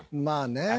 まあね。